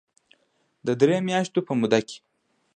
د درې مياشتو په موده کې